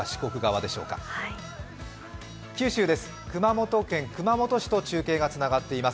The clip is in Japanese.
九州です、熊本県熊本市と中継がつながっています。